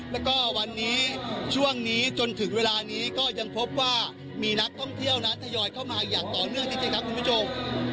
แล้วก็วันนี้ช่วงนี้จนถึงเวลานี้ก็ยังพบว่ามีนักท่องเที่ยวนั้นทยอยเข้ามาอย่างต่อเนื่องจริงครับคุณผู้ชม